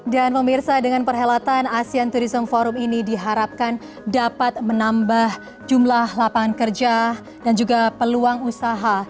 dan memirsa dengan perhelatan asean tourism forum ini diharapkan dapat menambah jumlah lapangan kerja dan juga peluang usaha